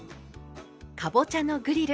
かぼちゃのグリル